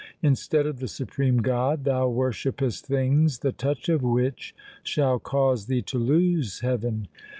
Instead of the Supreme God thou worshippest things the touch of which shall cause thee to lose heaven.